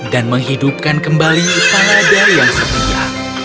dan menghidupkan kembali para daya yang setia